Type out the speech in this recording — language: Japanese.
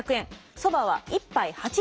そばは１杯８５円